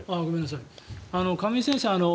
亀井先生